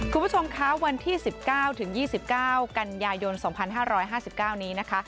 คุณผู้ชมคะวันที่๑๙ถึง๒๙กันยายน๒๕๕๙นี้นะคะ